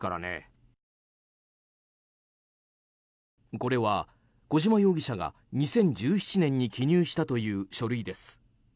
これは、小島容疑者が２０１７年に記入したという書類です。